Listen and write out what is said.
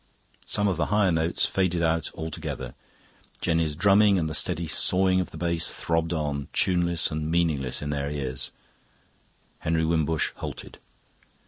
Some of the higher notes faded out altogether. Jenny's drumming and the steady sawing of the bass throbbed on, tuneless and meaningless in their ears. Henry Wimbush halted.